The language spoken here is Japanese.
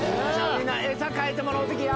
みんな餌変えてもろうときや。